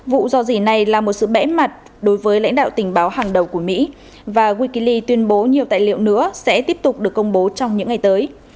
vụ do dỉ này là một sự bẽ mặt đối với lãnh đạo tình báo hàng đầu của mỹ và wikile tuyên bố nhiều tài liệu nữa sẽ tiếp tục được công bố trong những ngày tới